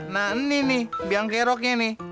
nah ini nih biang keroknya nih